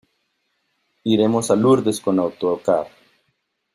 Iremos a Lourdes con autocar.